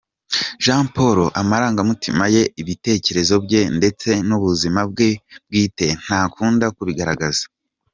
Jean Paul amarangamutima ye, ibitekerezo bye ndetse n’ubuzima bwe bwite ntakunda kubigaragaza.